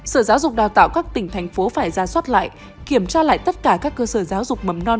sở giáo dục đào tạo các tỉnh thành phố phải ra soát lại kiểm tra lại tất cả các cơ sở giáo dục mầm non